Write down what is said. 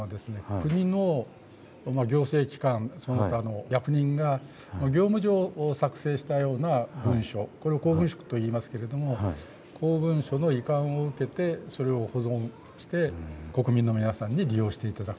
国の行政機関その他の役人が業務上作成したような文書これを公文書といいますけれども公文書の移管を受けてそれを保存して国民の皆さんに利用して頂くと。